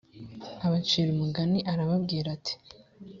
abacira umugani arababwira ati